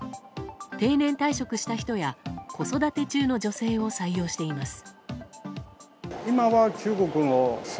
定年退職した人や子育て中の女性を採用しています。